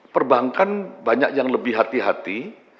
perbankan banyak yang lebih hati hati